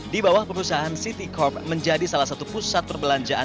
di bawah perusahaan citicorp menjadi salah satu pusat perbelanjaan